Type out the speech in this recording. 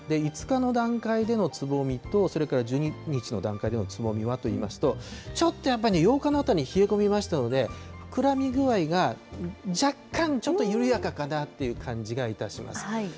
５日の段階でのつぼみと、それから１２日の段階のつぼみはといいますと、ちょっとやっぱり８日のあたりに冷え込みましたので、膨らみ具合が若干ちょっと緩やかかなという感じがいたします。